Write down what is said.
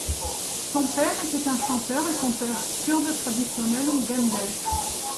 Son père était un chanteur et conteur kurde traditionnel ou dengbêj.